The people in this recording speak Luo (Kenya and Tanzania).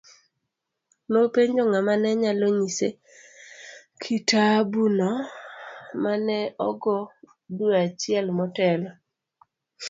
Nopenjo ng'ama ne nyalo nyise kitabuno ma ne ogo dwe achiel motelo.